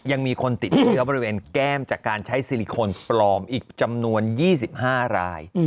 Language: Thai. ยังมีคนติดเชื้อบริเวณแก้มจากการใช้ซิลิโคนปลอมอีกจำนวน๒๕ราย